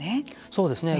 そうですね。